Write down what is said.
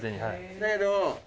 だけど。